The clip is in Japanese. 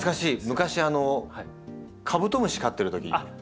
昔あのカブトムシ飼っているときに。